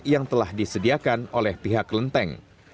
yang telah disediakan oleh pihak kelenteng